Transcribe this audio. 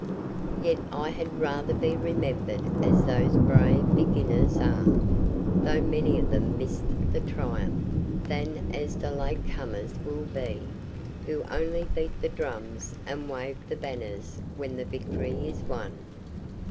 Yet I had rather be remembered as those brave beginners are, though many of them missed the triumph, than as the late comers will be, who only beat the drums and wave the banners when the victory is won."